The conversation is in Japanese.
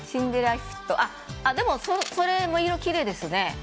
でも、それも色きれいですね。